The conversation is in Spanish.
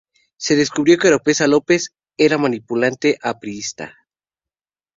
Se descubrió que Oropeza López, era militante aprista.